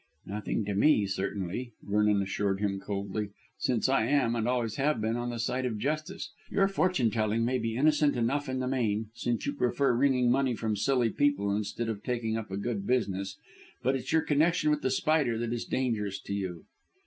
"Nothing to me, certainly," Vernon assured him coldly, "since I am, and always have been, on the side of justice. Your fortune telling may be innocent enough in the main, since you prefer wringing money from silly people instead of taking up a good business. But it's your connection with The Spider that is dangerous to you."